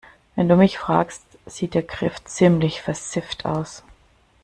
Wenn du mich fragst, sieht der Griff ziemlich versifft aus.